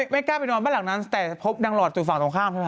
ไม่กล้าไปนอนบ้านหลังนั้นแต่พบนางหลอดอยู่ฝั่งตรงข้ามใช่ไหม